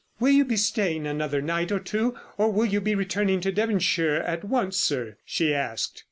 "Will you be staying another night or two, or will you be returning to Devonshire at once, sir?" she asked.